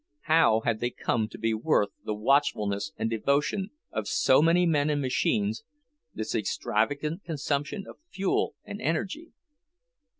How had they come to be worth the watchfulness and devotion of so many men and machines, this extravagant consumption of fuel and energy?